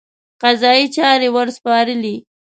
قضایي چارې ورسپارلې.